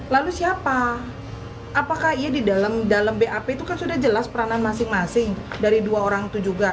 lalu siapa apakah ia di dalam bap itu kan sudah jelas peranan masing masing dari dua orang itu juga